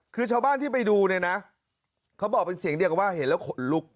คือชาวบ้านที่ไปดูเนี่ยนะเขาบอกเป็นเสียงเดียวกันว่าเห็นแล้วขนลุก